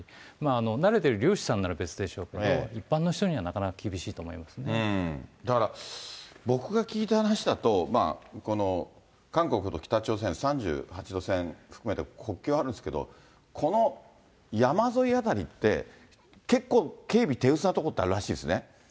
慣れてる漁師さんなら別でしょうけど、一般の人にはなかなか厳しだから、僕が聞いた話だと、韓国と北朝鮮３８度線含めて国境あるんですけど、この山沿い辺りって、結構、警備手薄な所ってあるらしいですね。